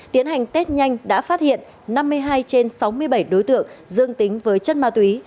tiến hành test nhanh đã phát hiện năm mươi hai trên sáu mươi bảy đối tượng dương tính với chất ma túy